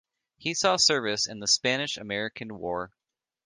He saw service in the Spanish-American War.